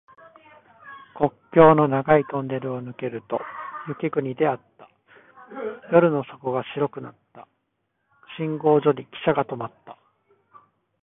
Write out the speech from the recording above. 国境の長いトンネルを抜けると雪国であった。夜の底が白くなった。信号所にきしゃが止まった。